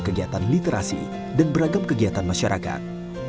kegiatan literasi dan beragam kegiatan masyarakat